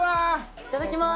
いただきます